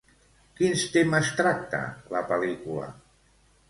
Quins temes tracta la pel·lícula?